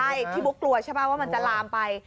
ใช่พี่บุ๊คกลัวใช่ไหมว่ามันจะลามไป